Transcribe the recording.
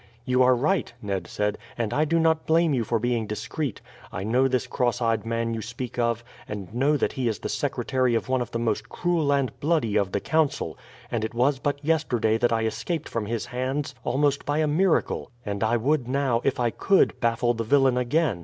"You are right," Ned said; "and I do not blame you for being discreet. I know this cross eyed man you speak of, and know that he is the secretary of one of the most cruel and bloody of the Council; and it was but yesterday that I escaped from his hands almost by a miracle. And I would now, if I could, baffle the villain again.